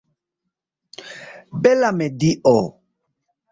Bela medio!